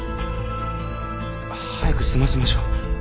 早く済ませましょう。